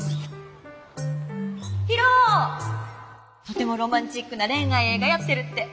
とてもロマンチックな恋愛映画やってるって。